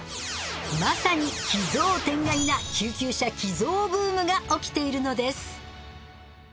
まさに寄贈天外な救急車寄贈ブームが起きているのです。